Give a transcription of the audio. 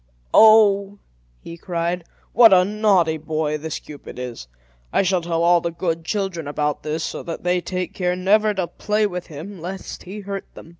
"Oh!" he cried, "what a naughty boy this Cupid is! I shall tell all the good children about this, so that they take care never to play with him, lest he hurt them."